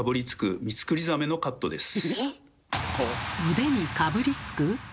腕にかぶりつく？